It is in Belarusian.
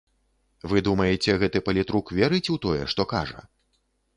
Вы думаеце, гэты палітрук верыць у тое, што кажа?